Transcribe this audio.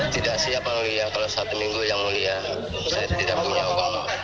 tidak siapa mulia kalau satu minggu yang mulia saya tidak punya uang